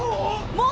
もう？